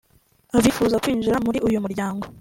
Abifuza kwinjira muri uyu muryango